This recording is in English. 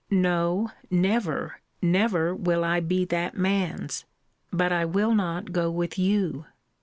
No, never, never will I be that man's But I will not go with you!